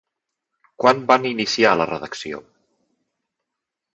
Quan van iniciar la redacció?